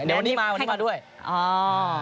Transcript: เนี่ยรอดนี้มารอดนี้มาด้วยให้แล้ว